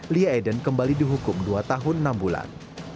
lia eden kembali dihukum dua tahun enam bulan